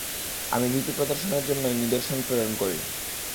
আমি ভীতি প্রদর্শনের জন্যেই নিদর্শন প্রেরণ করি।